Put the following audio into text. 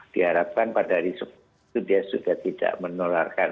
diharapkan pada hari itu dia sudah tidak menularkan